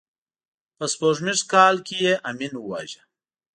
په سپوږمیز کال کې یې امین وواژه.